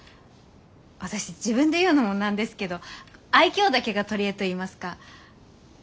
私自分で言うのもなんですけど愛嬌だけが取り柄といいますか。